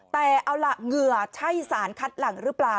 แต่เอาล่ะเหงื่อใช่สารคัดหลังหรือเปล่า